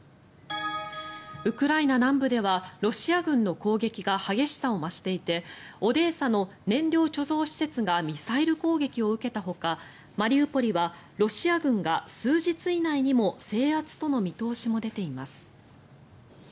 ウクライナ南部ではロシア軍の攻撃が激しさを増していてオデーサの燃料貯蔵施設がミサイル攻撃を受けたほかマリウポリはロシア軍が数日以内にも制圧との見通しも出ています。